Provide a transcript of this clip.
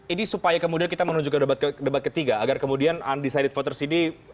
ini supaya kemudian kita menunjukkan debat ketiga agar kemudian undecided voters ini